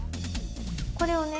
これをね